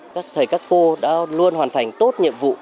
các thầy các cô đã luôn hoàn thành tốt nhiệm vụ